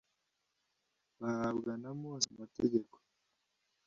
bahabwa na mose amategeko